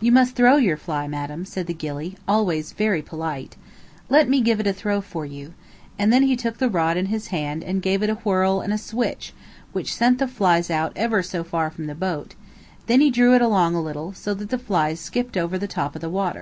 "You must throw your fly, madam," said the gilly, always very polite. "Let me give it a throw for you," and then he took the rod in his hand and gave it a whirl and a switch which sent the flies out ever so far from the boat; then he drew it along a little, so that the flies skipped over the top of the water.